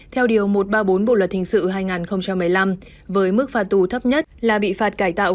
theo điều một trăm ba mươi bốn bộ luật hình sự hai nghìn một mươi năm với mức phạt tù thấp nhất là bị phạt cải tạo